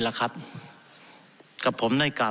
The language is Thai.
เอากับท่านคำนำ